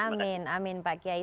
amin amin pak kiai